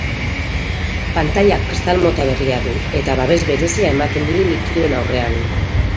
Pantailak kristal mota berria du, eta babes berezia ematen die likidoen aurrean.